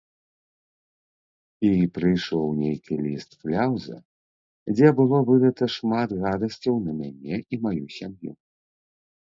І прыйшоў нейкі ліст-кляўза, дзе было выліта шмат гадасцяў на мяне і маю сям'ю.